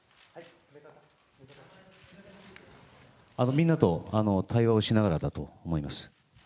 みんなと対話をしながらだと思います。